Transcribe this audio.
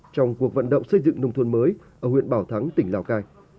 trong cuộc vận động xây dựng nông thôn mới ở huyện bảo thắng tỉnh lào cai